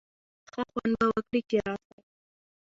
ښه خوند به وکړي چي راسی.